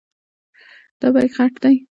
دا بیک غټ دی.